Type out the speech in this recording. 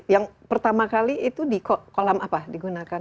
yang pertama kali itu di kolam apa digunakan